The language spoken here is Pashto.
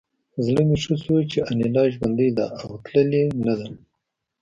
زړه مې ښه شو چې انیلا ژوندۍ ده او تللې نه ده